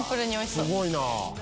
すごいな。